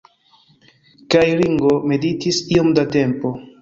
Kaj Ringo meditis iom da tempo.